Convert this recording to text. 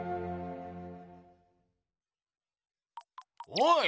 おい！